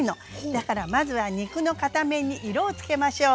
だからまずは肉の片面に色をつけましょう。